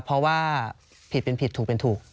เพราะว่าผิดเป็นผิดถูกเป็นถูก